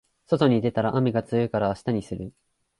外に出たら雨が強いから明日にする